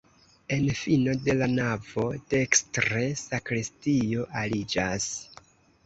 En fino de la navo dekstre sakristio aliĝas.